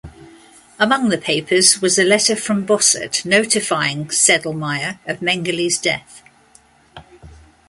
Among the papers was a letter from Bossert notifying Sedlmeier of Mengele's death.